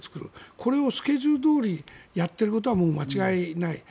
これをスケジュールどおりやっていることはもう間違いない。